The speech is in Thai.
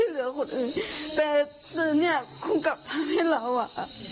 เหลือคนอื่นแต่คือเนี้ยคงกลับทำให้เราอ่ะ